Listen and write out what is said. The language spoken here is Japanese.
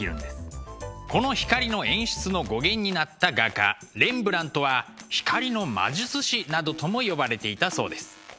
この光の演出の語源になった画家レンブラントは光の魔術師などとも呼ばれていたそうです。